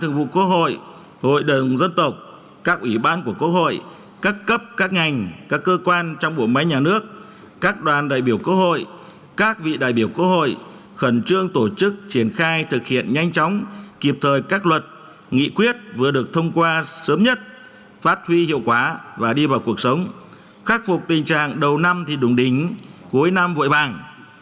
hội đồng dân tộc các ủy ban của quốc hội các cấp các ngành các cơ quan trong bộ máy nhà nước các đoàn đại biểu quốc hội các vị đại biểu quốc hội khẩn trương tổ chức triển khai thực hiện nhanh chóng kịp thời các luật nghị quyết vừa được thông qua sớm nhất phát huy hiệu quả và đi vào cuộc sống khắc phục tình trạng đầu năm thì đúng đính cuối năm vội bằng